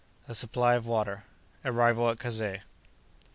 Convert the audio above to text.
—A Supply of Water.—Arrival at Kazeh.